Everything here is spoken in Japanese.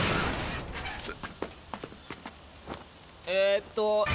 えっと